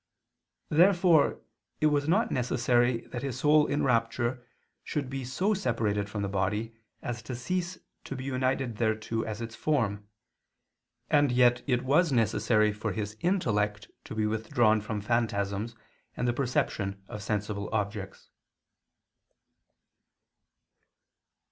Therefore it was not necessary that his soul in rapture should be so separated from the body as to cease to be united thereto as its form; and yet it was necessary for his intellect to be withdrawn from phantasms and the perception of sensible objects.